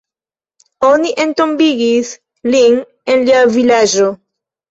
Oni entombigis lin en lia vilaĝo.